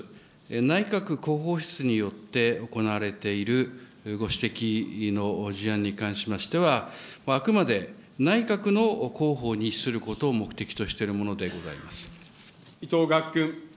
内閣広報室によって行われているご指摘の事案に関しましては、あくまで内閣の広報に資することを目的としているものでございま伊藤岳君。